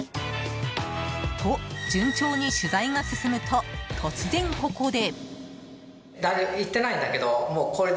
と、順調に取材が進むと突然ここで。